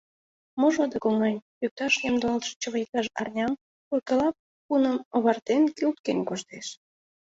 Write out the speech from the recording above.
Можо адак оҥай — пӱкташ ямдылалтше чыве иктаж арням, куркала пуным овартен, кӱлткен коштеш.